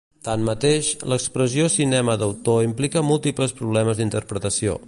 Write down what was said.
Tanmateix, l'expressió cinema d'autor implica múltiples problemes d'interpretació.